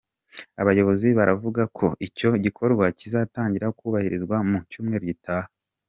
Abayobozi baravuga ko icyo gikorwa kizatangira kubahirizwa mu cyumweru gitaha.